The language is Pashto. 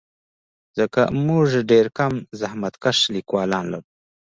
ځکه موږ ډېر کم زحمتکښ لیکوالان لرو.